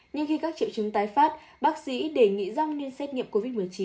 nhưng khi các triệu chứng tái phát bác sĩ đề nghị rong nên xét nghiệm covid một mươi chín